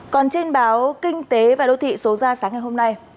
còn trên báo kinh tế và đô thị số ra sáng ngày hôm nay